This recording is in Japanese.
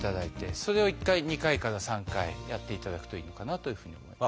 それを１回２回から３回やっていただくといいのかなというふうに思います。